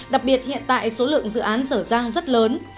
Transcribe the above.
đặc biệt hiện tại số lượng dự án rở ràng rất lớn